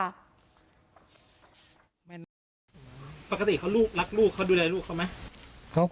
ปกติเขารักลูกเขาดูแลลูกเขาไหม